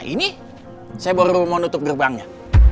ini saya baru mau nutup gerbangnya